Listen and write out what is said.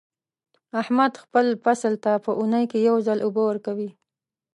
احمد خپل فصل ته په اونۍ کې یو ځل اوبه ورکوي.